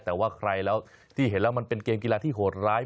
แต่ว่าใครแล้วที่เห็นแล้วมันเป็นเกมกีฬาที่โหดร้าย